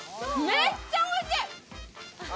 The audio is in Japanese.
めっちゃおいしい！